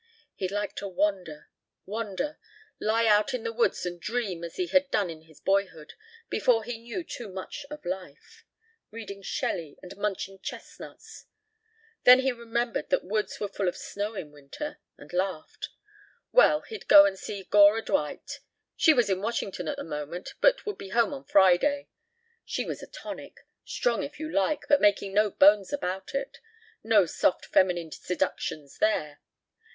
He'd like to wander ... wander ... lie out in the woods and dream as he had done in his boyhood ... before he knew too much of life ... reading Shelley and munching chestnuts. ... Then he remembered that woods were full of snow in winter, and laughed. Well, he'd go and see Gora Dwight. She was in Washington at the moment, but would be home on Friday. She was a tonic. Strong if you like, but making no bones about it. No soft feminine seductions there.